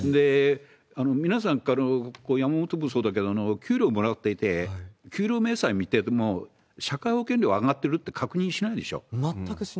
皆さんから、山本君もそうだけど、給料もらっていて、給料明細見ても、社会保険料が上がってるって確認しないでしょ？